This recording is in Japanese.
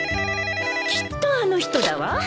☎きっとあの人だわ。